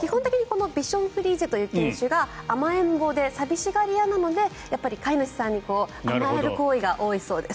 基本的にビションフリーゼという犬種が甘えん坊で寂しがりなので甘える行為が多いそうです。